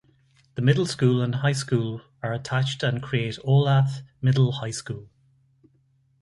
The middle school and high school are attached and create Olathe Middle High School.